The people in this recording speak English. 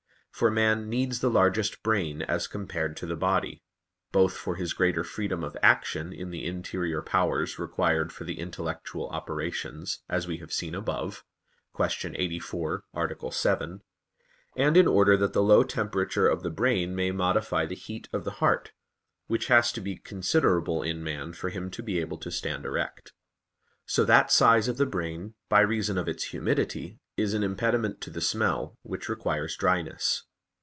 For man needs the largest brain as compared to the body; both for his greater freedom of action in the interior powers required for the intellectual operations, as we have seen above (Q. 84, A. 7); and in order that the low temperature of the brain may modify the heat of the heart, which has to be considerable in man for him to be able to stand erect. So that size of the brain, by reason of its humidity, is an impediment to the smell, which requires dryness.